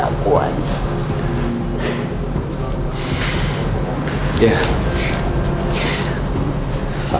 sekarang aku mau ngomong serius sama kamu